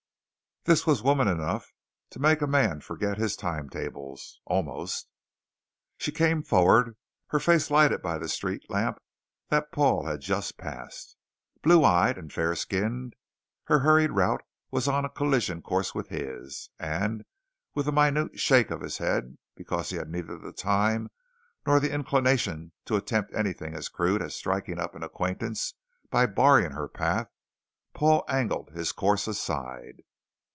This was woman enough to make a man forget his timetables almost. She came forward, her face lighted by the street lamp that Paul had just passed. Blue eyed and fair skinned, her hurried route was on collision course with his and with a minute shake of his head because he had neither the time nor the inclination to attempt anything as crude as striking up an acquaintance by barring her path, Paul angled his course aside.